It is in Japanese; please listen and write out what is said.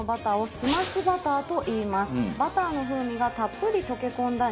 バターの風味がたっぷり溶け込んだ